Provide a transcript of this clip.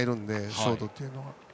ショートって言うのは。